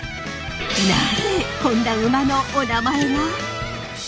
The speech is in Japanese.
なぜこんな馬のおなまえが！？